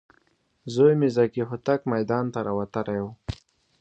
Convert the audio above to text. زوی مې ذکي هوتک میدان ته راوتلی و.